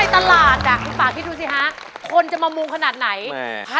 ค่ะได้ค่ะแฮงชาก็เต้นได้ค่ะ